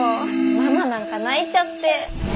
ママなんか泣いちゃって。